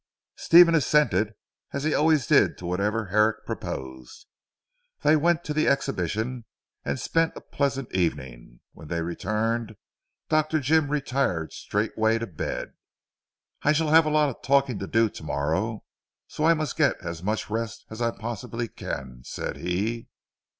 Stephen assented, as he always did to whatever Herrick proposed. They went to the exhibition and spent a pleasant evening. When they returned Dr. Jim retired straightway to bed, "I shall have a lot of talking to do to morrow so I must get as much rest as I possibly can," said he.